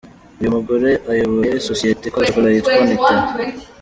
Uyu mugore ayoboye sosiyete ikora chocolat yitwa Nutella.